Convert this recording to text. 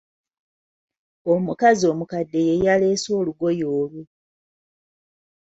Omukazi omukadde ye yaleese olugoye olwo.